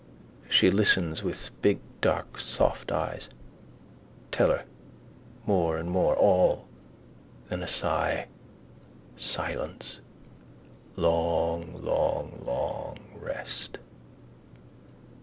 She listens with big dark soft eyes. Tell her: more and more: all. Then a sigh: silence. Long long long rest.